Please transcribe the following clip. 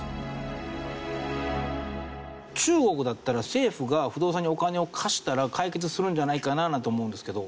中国だったら政府が不動産にお金を貸したら解決するんじゃないかななんて思うんですけど。